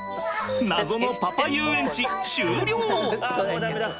謎のパパ遊園地終了！